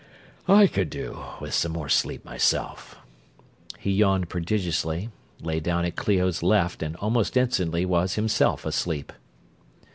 I could do with some more sleep myself." He yawned prodigiously, lay down at Clio's left, and almost instantly was himself asleep.